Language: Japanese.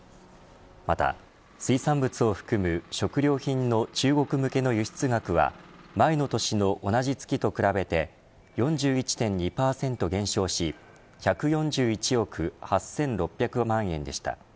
また、水産物を含む食料品の中国向けの輸出額は前の年の同じ月と比べて４１．２％減少し１４１億８６００万円でした。